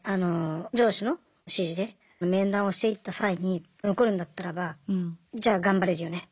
上司の指示で面談をしていった際に残るんだったらばじゃあ頑張れるよね